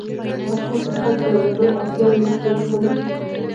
پاچا د خلکو لومړنۍ اړتياوې نه پوره کوي.